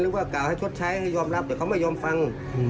เรื่องว่ากาลให้ชดช้ายยอมรับแต่เขาไม่ยอมฟัง